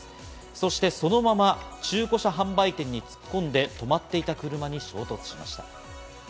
そして、そのまま中古車販売店に突っ込んで、停まっていた車に衝突しました。